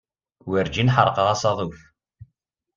Werǧin ḥerqeɣ asaḍuf.